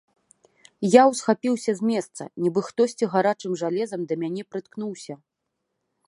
Я ўсхапіўся з месца, нібы хтосьці гарачым жалезам да мяне прыткнуўся.